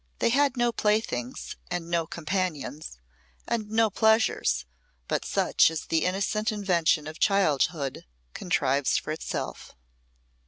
They had no playthings and no companions and no pleasures but such as the innocent invention of childhood contrives for itself.